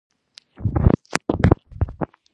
آیا د سرې او وریجو تولید هم نشته؟